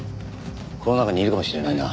この中にいるかもしれないな。